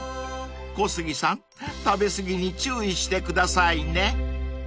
［小杉さん食べ過ぎに注意してくださいね］